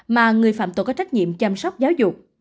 mà người phạm tội có trách nhiệm chăm sóc